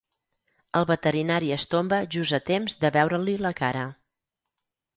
El veterinari es tomba just a temps de veure-li la cara.